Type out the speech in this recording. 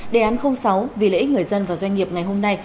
đề án sáu vì lợi ích người dân và doanh nghiệp ngày hôm nay